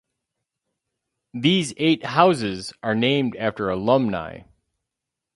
These eight houses are named after alumni.